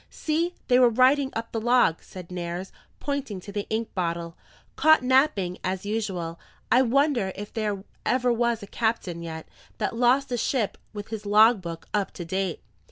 "See! they were writing up the log," said Nares, pointing to the ink bottle. "Caught napping, as usual. I wonder if there ever was a captain yet, that lost a ship with his log book up to date?